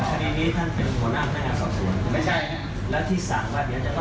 แต่ผมเรียกว่าถ้าผมต้องไปตรงมาแล้วก็จะมีปัญหากับผม